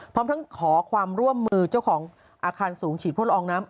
พร้อมทั้งขอความร่วมมือเจ้าของอาคารสูงฉีดพ่นละอองน้ำ